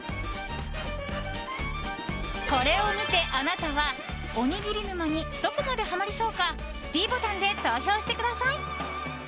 これを見てあなたはおにぎり沼にどこまでハマりそうかｄボタンで投票してください。